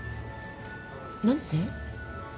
何て？